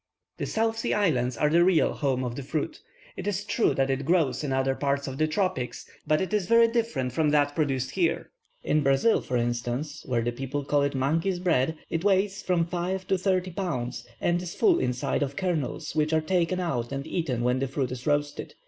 The South Sea Islands are the real home of the fruit. It is true that it grows in other parts of the tropics, but it is very different from that produced here. In Brazil, for instance, where the people call it monkeys' bread, it weighs from five to thirty pounds, and is full inside of kernels, which are taken out and eaten when the fruit is roasted.